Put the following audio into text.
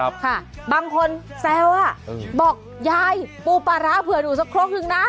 ค่ะบางคนแซวอ่ะเออบอกยายปูปลาร้าเผื่อหนูสักครกหนึ่งนะ